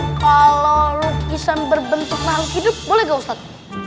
kalau lukisan berbentuk malang hidup boleh gak ustadz